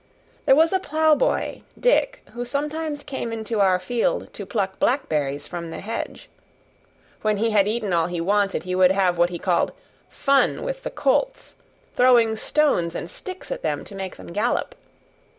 There was a plowboy, Dick, who sometimes came into our field to pluck blackberries from the hedge. When he had eaten all he wanted he would have what he called fun with the colts, throwing stones and sticks at them to make them gallop.